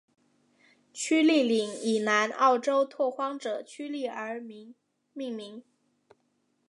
屈利岭以南澳州拓荒者屈利而命名。